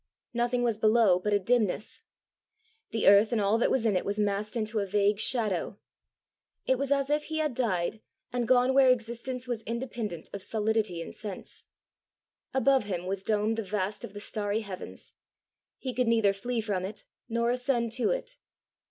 Nothing was below but a dimness; the earth and all that was in it was massed into a vague shadow. It was as if he had died and gone where existence was independent of solidity and sense. Above him was domed the vast of the starry heavens; he could neither flee from it nor ascend to it!